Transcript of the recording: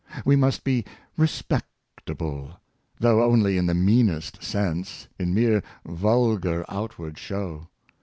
We must be " respectable," though only in the meanest sense — in mere vulgar outward show.